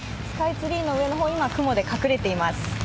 スカイツリーの上の方、今、雲で隠れています。